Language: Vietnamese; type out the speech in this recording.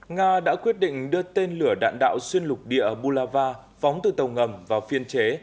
nga đã quyết định đưa tên lửa đạn đạo xuyên lục địa bulava phóng từ tàu ngầm vào phiên chế